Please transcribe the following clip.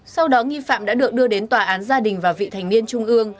sau đó nghi phạm đã được đưa đến tòa án gia đình và vị thành niên trung ương